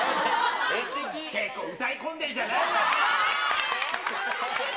結構歌い込んでるんじゃないの？